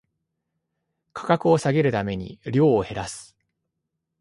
価格を下げるために量を減らす